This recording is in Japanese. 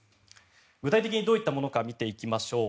具体的にどういったものか見ていきましょう。